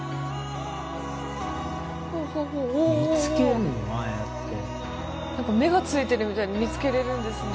ああやって何か目がついてるみたいに見つけれるんですね